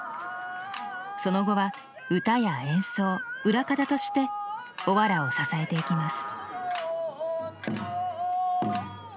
その後は唄や演奏裏方としておわらを支えていきます。